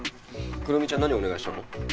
くるみちゃん何お願いしたの？